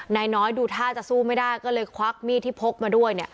นายน้อยดูท่าจะสู้ไม่ได้ก็เลยควักมีดที่พกมาด้วยเนี่ย